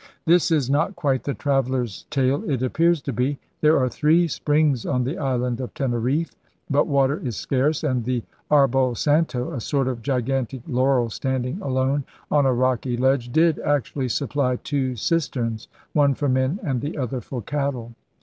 This is not quite the traveller's tale it appears to be. There are three springs on the island of Teneriffe. But water is scarce, and the Arbol Santo, a sort of gigantic laurel standing alone on a rocky ledge, did actually supply two cisterns, one for men and the other for cattle.